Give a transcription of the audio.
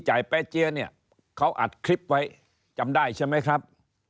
แป๊เจี๊ยเนี่ยเขาอัดคลิปไว้จำได้ใช่ไหมครับ